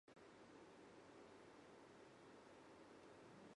石川県白山市